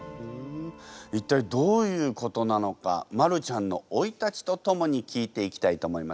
一体どういうことなのかマルちゃんの生い立ちとともに聞いていきたいと思います。